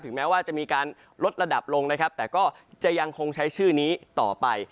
แม้ว่าจะมีการลดระดับลงนะครับแต่ก็จะยังคงใช้ชื่อนี้ต่อไป